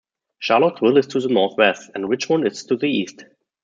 Charlottesville is to the northwest, and Richmond is to the east.